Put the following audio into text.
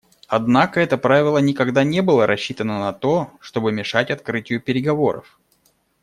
Однако это правило никогда не было рассчитано на то, чтобы мешать открытию переговоров.